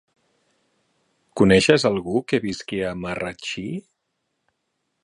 Coneixes algú que visqui a Marratxí?